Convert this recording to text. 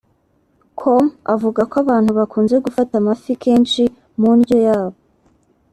com avuga ko abantu bakunze gufata amafi kenshi mu ndyo yabo